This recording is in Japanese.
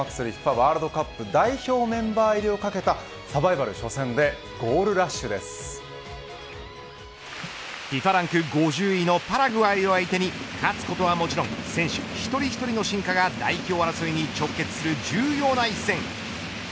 ワールドカップ代表メンバー入りを懸けたサバイバル初戦でＦＩＦＡランク５０位のパラグアイを相手に勝つことはもちろん選手一人一人の真価が代表争いに直結する、重要な一戦。